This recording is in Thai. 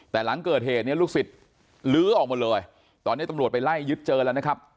แต่หลังเกิดเหตุเนี่ยลูกศิษย์ลื้อออกหมดเลยตอนนี้ตำรวจไปไล่ยึดเจอแล้วนะครับ